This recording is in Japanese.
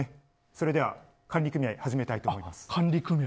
それでは管理組合始めたいと思います。